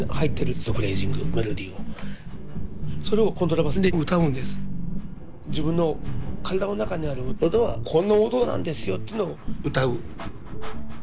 自分の体の中にある音はこんな音なんですよっていうのを歌う。